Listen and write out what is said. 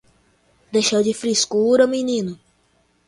Deixa de frescura menino